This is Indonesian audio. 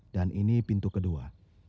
dan ini pintu kedua